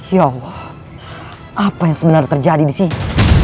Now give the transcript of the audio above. ya allah apa yang sebenarnya terjadi disini